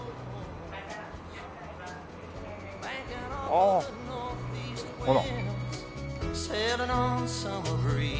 ああほら。